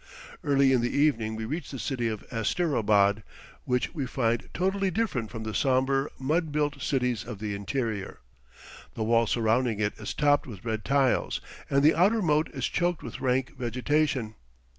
Early in the evening we reach the city of Asterabad, which we find totally different from the sombre, mud built cities of the interior. The wall surrounding it is topped with red tiles, and the outer moat is choked with rank vegetation.